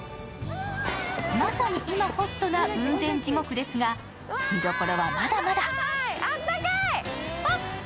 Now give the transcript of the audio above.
まさに今、ホットな雲仙地獄ですが見どころはまだまだ。